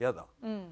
うん。